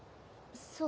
そう。